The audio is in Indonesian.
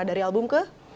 dari album ke